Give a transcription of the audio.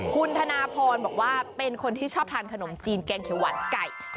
คุณธนาพรบอกว่าเป็นคนที่ชอบทานขนมจีนแกงเขียวหวานไก่